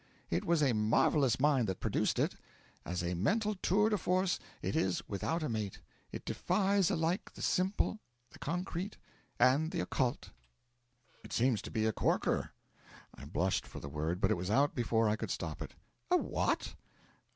It was a marvellous mind that produced it. As a mental tour de force it is without a mate, it defies alike the simple, the concrete, and the occult.' 'It seems to be a corker.' I blushed for the word, but it was out before I could stop it. 'A what?'